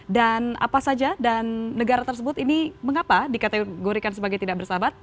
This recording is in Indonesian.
dan apa saja dan negara tersebut ini mengapa dikategorikan sebagai tidak bersahabat